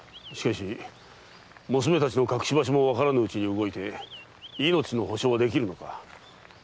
しかし娘たちの隠し場所もわからぬうちに動いて命の保証はできるのか？